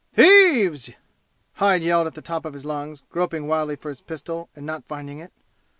"Thieves!" Hyde yelled at the top of his lungs, groping wildly for his pistol and not finding it.